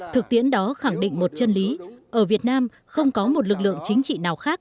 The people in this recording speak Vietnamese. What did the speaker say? thực tiễn đó khẳng định một chân lý ở việt nam không có một lực lượng chính trị nào khác